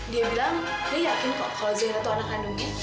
dia bilang dia yakin kalau zahira itu anak kandungnya